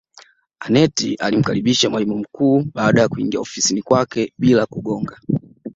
Aneth alimkaribisha mwalimu mkuu baada ya kuingia ofisini kwake bila kugonga